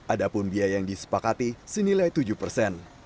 ada pun biaya yang disepakati senilai tujuh persen